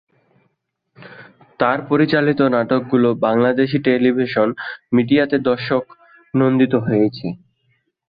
তার পরিচালিত নাটকগুলো বাংলাদেশী টেলিভিশন মিডিয়াতে দর্শক নন্দিত হয়েছে।